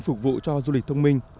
phục vụ cho du lịch thông minh